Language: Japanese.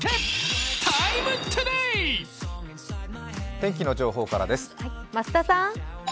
天気の情報からです。